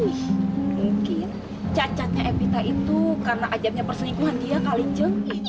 ih mungkin cacatnya evita itu karena ajaknya perselingkuhan dia kali jengik